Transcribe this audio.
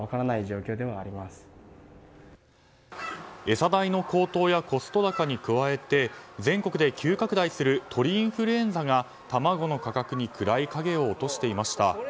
餌代の高騰やコスト高に加えて全国で急拡大する鳥インフルエンザが卵の価格に暗い影を落としていました。